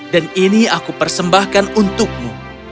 dan ini aku persembahkan untukmu